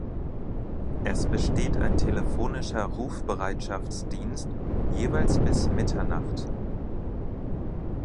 Es besteht ein telefonischer Rufbereitschaftsdienst jeweils bis Mitternacht.